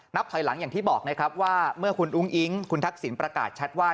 ถอยหลังอย่างที่บอกนะครับว่าเมื่อคุณอุ้งอิ๊งคุณทักษิณประกาศชัดว่า